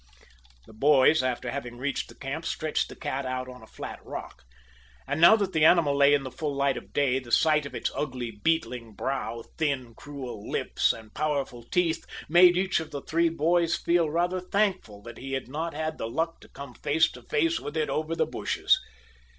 The boys, after having reached the camp, stretched the cat out on a flat rock. And now that the animal lay in the full light of day, the sight of its ugly, beetling brow, thin, cruel lips and powerful teeth made each of the three boys feel rather thankful that he had not had the luck to come face to face with it over in the bushes.